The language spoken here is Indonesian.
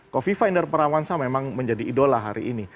kofifa inder perawansa memang menjadi idola hari ini